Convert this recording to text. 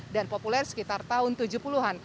dan populer sekitar tahun tujuh puluh an